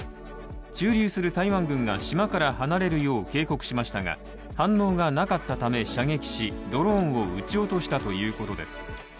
駐留する台湾軍が島から離れるよう警告しましたが反応がなかったため、射撃しドローンを撃ち落としたということです。